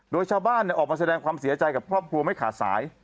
โดยชาวบ้านออกมาแสดงความเสียใจกับครอบครัวไม่ขาดสาย